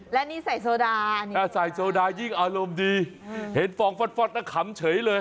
และนี่ใส่โซดาใส่โซดายิ่งอารมณ์ดีเห็นฟองฟอดแล้วขำเฉยเลย